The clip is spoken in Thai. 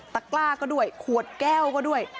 กล้าก็ด้วยขวดแก้วก็ด้วย